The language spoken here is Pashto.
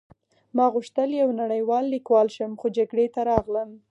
ما غوښتل یو نړۍوال لیکوال شم خو جګړې ته راغلم